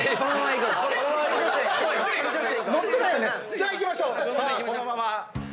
じゃあ行きましょう。